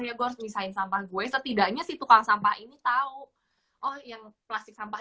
ya gue harus misahin sampah gue setidaknya si tukang sampah ini tahu oh yang plastik sampah